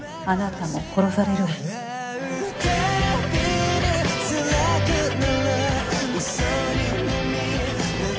あなたも殺されるわよ。